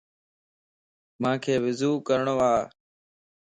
مانک وضو ڪرڻو ا.